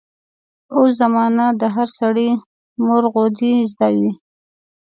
په اوس زمانه د هر سړي مورغودۍ زده دي.